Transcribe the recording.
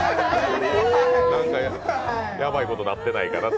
なんかやばいことになってないかなと。